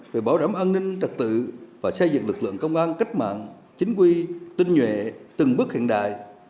về bảo đảm an ninh trật tự và xây dựng lực lượng công an cách mạng chính quy tinh nhuệ từng bước hiện đại